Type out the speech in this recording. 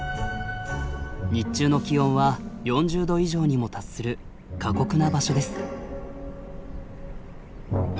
日中の気温は４０度以上にも達する過酷な場所です。